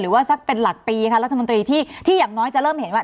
สักเป็นหลักปีค่ะรัฐมนตรีที่อย่างน้อยจะเริ่มเห็นว่า